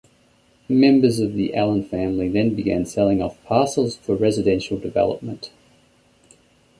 Members of the Allen family then began selling off parcels for residential development.